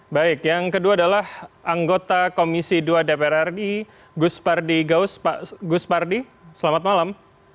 baik yang kedua adalah anggota komisi dua dpr ri gus pardi gaus pak gus pardi selamat malam